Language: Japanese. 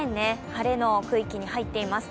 晴れの区域に入っています。